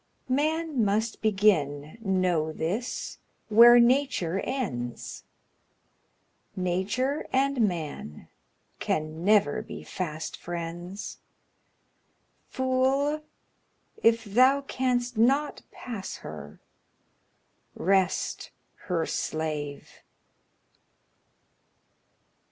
Man must begin, know this, where Nature ends; Nature and man can never be fast friends. Fool, if thou canst not pass her, rest her slave!